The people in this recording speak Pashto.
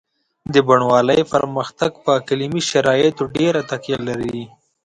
د بڼوالۍ پرمختګ په اقلیمي شرایطو ډېره تکیه لري.